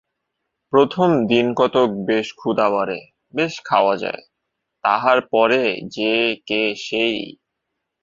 প্রথম দিনকতক বেশ ক্ষুধা বাড়ে, বেশ খাওয়া যায়, তাহার পরে যে-কে সেই।